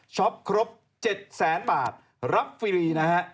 ช็อปครบ๗๐๐๐๐๐บาทรับฟรีนะฮะ